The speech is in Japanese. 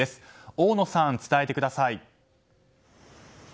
大野さん、伝えてください。